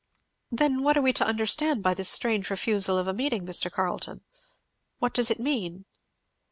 "Then what are we to understand by this strange refusal of a meeting, Mr. Carleton? what does it mean?"